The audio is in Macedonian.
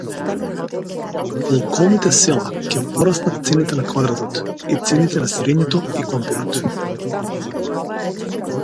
По околните села ќе пораснат цените на квадратот и цените на сирењето и компирот.